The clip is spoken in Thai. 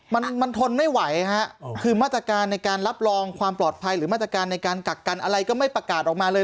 มันมันทนไม่ไหวฮะคือมาตรการในการรับรองความปลอดภัยหรือมาตรการในการกักกันอะไรก็ไม่ประกาศออกมาเลย